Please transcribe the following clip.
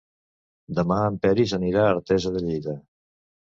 Demà en Peris anirà a Artesa de Lleida.